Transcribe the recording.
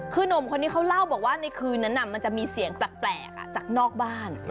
คือหนุ่มคนนี้เขาเล่าบอกว่าในคืนนั้นมันจะมีเสียงแปลกจากนอกบ้าน